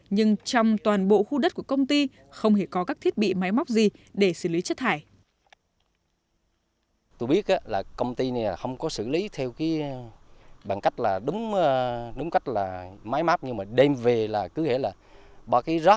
nhưng trong toàn bộ khu đất của công ty không hề có các thiết bị máy móc gì để xử lý chất thải